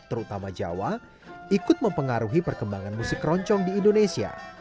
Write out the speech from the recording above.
terutama jawa ikut mempengaruhi perkembangan musik keroncong di indonesia